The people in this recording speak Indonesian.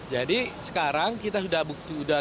jadi sekarang kita sudah